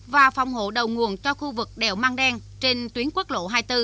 và phòng hộ đầu nguồn cho khu vực đèo mang đen trên tuyến quốc lộ hai mươi bốn